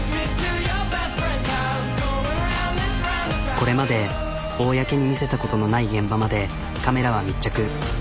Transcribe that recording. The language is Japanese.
これまで公に見せたことのない現場までカメラは密着。